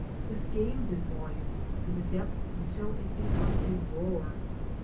This gains in volume and depth until it becomes a roar.